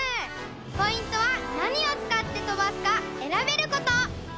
ポイントはなにをつかってとばすかえらべること！